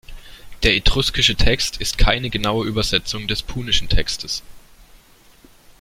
Der etruskische Text ist keine genaue Übersetzung des punischen Textes.